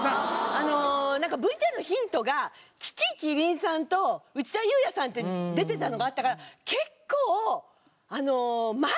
あのなんかＶＴＲのヒントが樹木希林さんと内田裕也さんって出てたのがあったから結構前のカップルなのかなと。